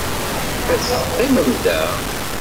Ad teqqimem da.